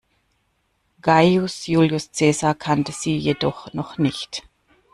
Gaius Julius Cäsar kannte sie jedoch noch nicht.